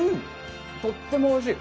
とってもおいしい。